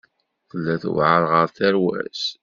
Tella tewεer ɣer tarwa-s.